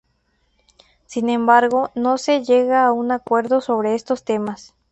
Sin embargo, no se llegó a un acuerdo sobre estos temas.